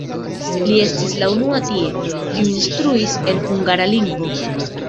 Li estis la unua tie, kiu instruis en hungara lingvo.